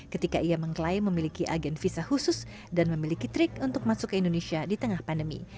ketika ia mengklaim memiliki agen visa khusus dan memiliki trik untuk masuk ke indonesia di tengah pandemi